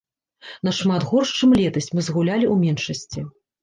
Нашмат горш, чым летась, мы згулялі ў меншасці.